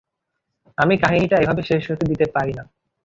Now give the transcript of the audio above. আমি কাহিনীটা এভাবে শেষ হতে দিতে পারি না।